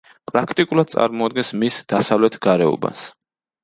პრაქტიკულად წარმოადგენს მის დასავლეთ გარეუბანს.